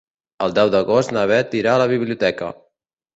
El deu d'agost na Beth irà a la biblioteca.